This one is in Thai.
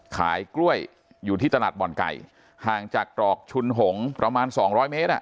ขายกล้วยอยู่ที่ตลาดบ่อนไก่ห่างจากตรอกชุนหงษ์ประมาณสองร้อยเมตรอ่ะ